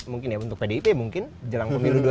untuk pdip mungkin jelang pemilu dua ribu dua puluh empat